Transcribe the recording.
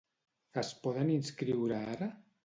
Es poden inscriure ara?